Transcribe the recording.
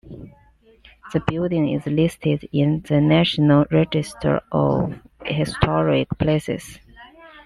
The building is listed in the National Register of Historic Places.